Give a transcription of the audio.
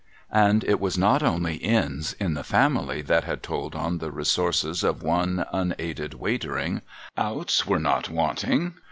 And it was not only ins in the family that had told on the resources of one unaided Waitering ; outs were not wanting.